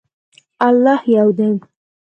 الله یو دی